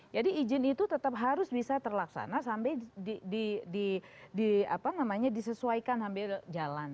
jadi izin itu tetap harus bisa terlaksana sampai disesuaikan sampai jalan